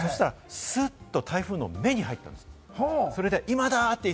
そしたらスッと、台風の目に入ったんです。